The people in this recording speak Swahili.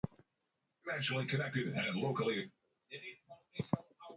wakati Liberia ilipokuwa inaondokana na vita vya wenyewe kwa wenyewe alisema Harris